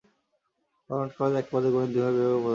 জগন্নাথ কলেজে একপর্যায়ে গণিত বিভাগের বিভাগীয় প্রধান হন।